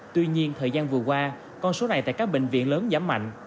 tuy nhiên thời gian vừa qua con số này tại các bệnh viện lớn giảm mạnh